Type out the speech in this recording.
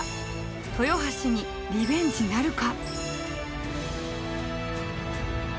豊橋にリベンジなるか？